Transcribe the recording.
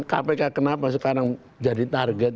kpk kenapa sekarang jadi target